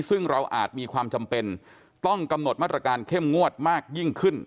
ซึ่งเราอาจมีความจำเป็นต้องกำหนดมาตรการเข้มงวดมากยิ่งขึ้น